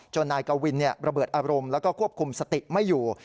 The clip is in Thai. นายกวินระเบิดอารมณ์แล้วก็ควบคุมสติไม่อยู่